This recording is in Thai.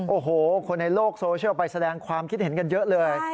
โอ้โหคนในโลกโซเชียลไปแสดงความคิดเห็นกันเยอะเลย